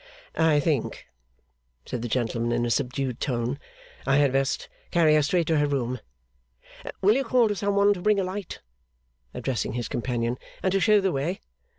'I think,' said the gentleman in a subdued tone, 'I had best carry her straight to her room. Will you call to some one to bring a light?' addressing his companion, 'and to show the way?